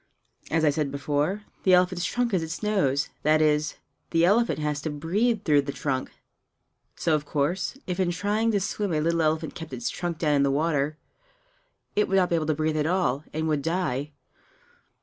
As I said before, the elephant's trunk is its nose that is, the elephant has to breathe through the trunk. So of course, if in trying to swim a little elephant kept its trunk down in the water, it would not be able to breathe at all, and would die.